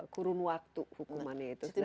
kurun waktu hukumannya itu